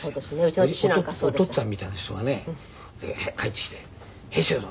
おとっつぁんみたいな人がね入ってきて「兵長殿」。